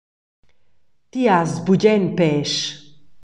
Ti has bugen pèsch.